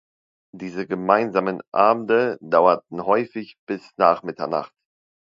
Diese gemeinsamen Abende dauerten häufig bis nach Mitternacht.